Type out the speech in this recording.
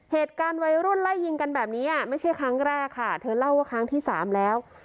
เหตุการณ์วัยรุ่นไล่ยิงกันแบบนี้ไม่ใช่ครั้งแรกค่ะเธอเล่าว่าครั้งที่สามแล้ว